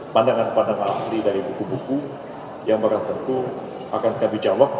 pandangan pandangan ahli dari buku buku yang akan tentu akan kami jawab